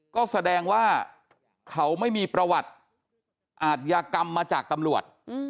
ก็แสดงว่าเขาไม่มีประวัติอาทยากรรมมาจากตำรวจ